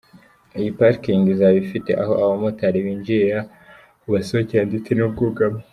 Iyi parikingi izaba ifite aho abamotari binjirira, aho basohokera ndetse n’ubwugamo.